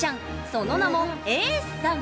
その名も、エースさん。